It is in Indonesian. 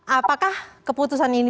apakah keputusan ini